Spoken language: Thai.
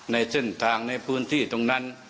ในเส้นทางในพื้นที่ตรงนั้น